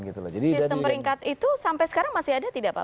sistem peringkat itu sampai sekarang masih ada tidak pak